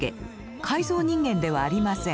改造人間ではありません。